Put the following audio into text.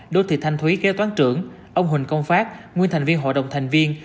đô thị thanh thúy kế toán trưởng ông huỳnh công phát nguyên thành viên hội đồng thành viên